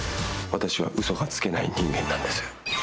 私はうそがつけない人間なんです。